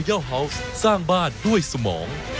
ชูเวทตีแสดหน้า